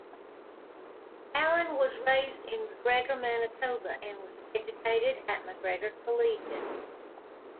Allan was raised in MacGregor, Manitoba and was educated at MacGregor Collegiate.